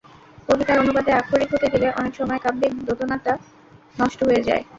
কবিতার অনুবাদে আক্ষরিক হতে গেলে অনেক সময় কাব্যিক দ্যোতনাটা নষ্ট হয়ে যায়।